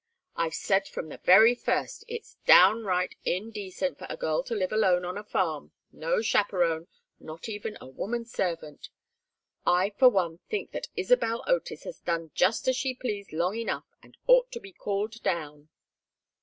I've said from the very first, it's downright indecent for a girl to live alone on a farm no chaperon, not even a woman servant. I, for one, think that Isabel Otis has done just as she pleased long enough, and ought to be called down."